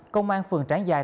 công an phường tráng giang